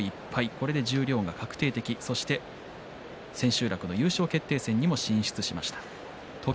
これで十両が確定的千秋楽の優勝決定戦にも進出しました。